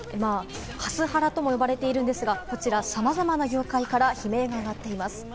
客によるカスタマーハラスメント、カスハラとも呼ばれているんですが、こちらさまざまな業界から悲鳴が上がっています。